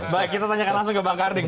baik kita tanyakan langsung ke pak karning